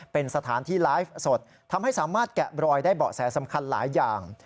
เป็นสถานที่ไลฟ์สดทำให้สามารถแกะบรอยได้เบาะแสสำคัญหลายอย่าง